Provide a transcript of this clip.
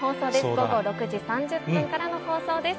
午後６時３０分からの放送です。